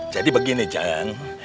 jadi begini jeng